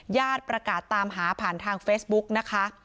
ญาติประกาศตามหาผ่านทางเฟซบุ๊กนะคะ